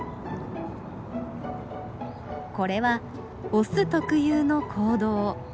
これはオス特有の行動。